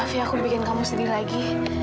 maaf ya aku bikin kamu sedih lagi